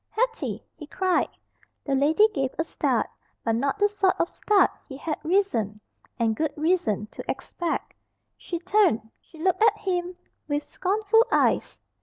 "Hetty!" he cried. The lady gave a start, but not the sort of start he had reason, and good reason, to expect. She turned, she looked at him with scornful eyes.